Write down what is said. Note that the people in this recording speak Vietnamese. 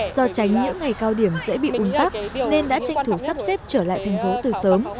do tránh những ngày cao điểm dễ bị un tắc nên đã tranh thủ sắp xếp trở lại thành phố từ sớm